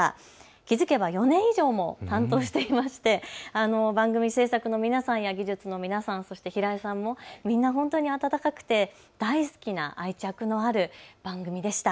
気付けば４年以上も担当していまして番組制作の皆さんや技術の皆さん、そして平井さんもみんな本当に温かくて大好きな愛着のある番組でした。